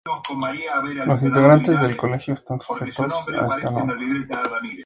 Los integrantes del colegio están sujetos a esta norma.